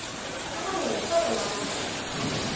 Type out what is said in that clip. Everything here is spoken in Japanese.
佐神に言っといてもらえます？